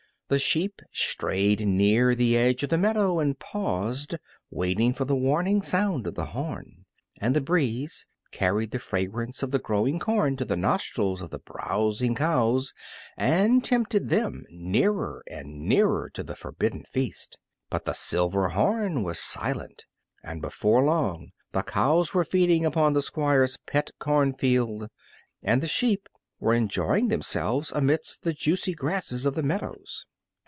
The sheep strayed near the edge of the meadow and paused, waiting for the warning sound of the horn. And the breeze carried the fragrance of the growing corn to the nostrils of the browsing cows and tempted them nearer and nearer to the forbidden feast. But the silver horn was silent, and before long the cows were feeding upon the Squire's pet cornfield and the sheep were enjoying themselves amidst the juicy grasses of the meadows.